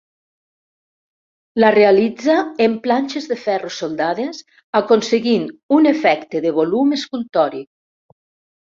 La realitza en planxes de ferro soldades, aconseguint un efecte de volum escultòric.